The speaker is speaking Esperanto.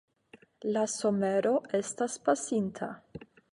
La somero estas pasinta.